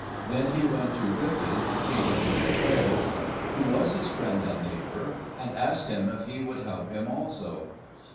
Then he went to Gruffydd, King of North Wales, who was his friend and neighbour, and asked him if he would help him also.